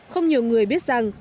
không nhiều người biết rằng